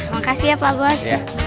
makasih ya pak bos